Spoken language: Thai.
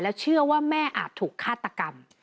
เชื่อว่าแม่อาจถูกฆาตกรรม